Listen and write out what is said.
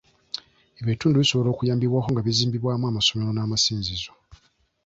Ebitundu bisobola okuyambibwako nga bizimbibwamu amasomero n'amasinzizo.